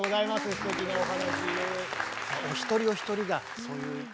すてきなお話。